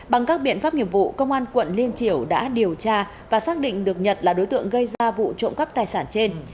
bằng các biện pháp nghiệp vụ công an quận liên triều đã điều tra và xác định được nhật là đối tượng gây ra vụ trộm cắp tài sản trên